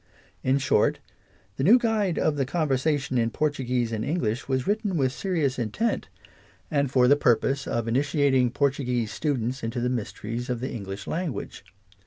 In short, the New Guide of the Conversation in Portuguese and English was written with serious Introduction. iii. intent, and for the purpose of initiating Portu guese students into the mysteries of the Eng lish language.